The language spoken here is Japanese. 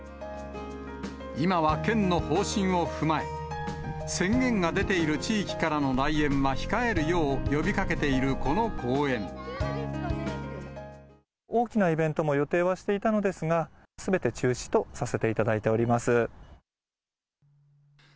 今は県の方針を踏まえ、宣言が出ている地域からの来園は控えるよう呼びかけているこの公大きなイベントも予定はしていたのですが、すべて中止とさせていただいております。